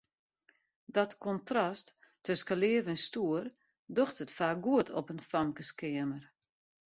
Dat kontrast tusken leaf en stoer docht it faak goed op in famkeskeamer.